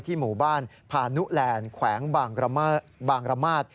หมู่บ้านพานุแลนด์แขวงบางระมาท